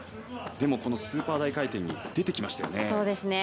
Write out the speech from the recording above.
でも、スーパー大回転に出てきましたよね。